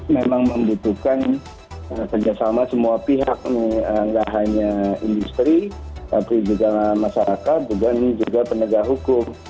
memang membutuhkan kerjasama semua pihak nggak hanya industri tapi juga masyarakat juga penegak hukum